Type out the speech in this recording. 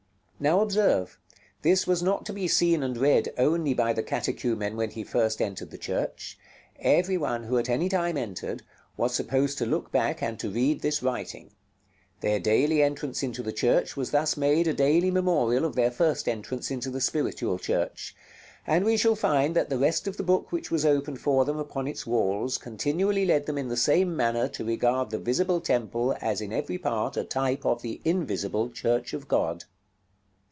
Now observe, this was not to be seen and read only by the catechumen when he first entered the church; every one who at any time entered, was supposed to look back and to read this writing; their daily entrance into the church was thus made a daily memorial of their first entrance into the spiritual Church; and we shall find that the rest of the book which was opened for them upon its walls continually led them in the same manner to regard the visible temple as in every part a type of the invisible Church of God.